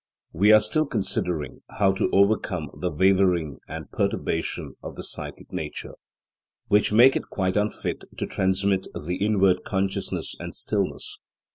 We are still considering how to overcome the wavering and perturbation of the psychic nature, which make it quite unfit to transmit the inward consciousness and stillness.